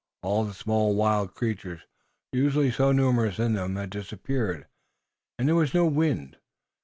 All the small wild creatures, usually so numerous in them, had disappeared, and there was no wind.